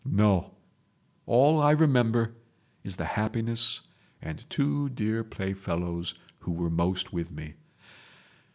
No! All I remember is the happiness and two dear playfellows who were most with me